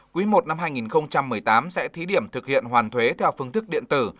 quý i năm hai nghìn một mươi tám sẽ thí điểm thực hiện hoàn thuế theo phương thức điện tử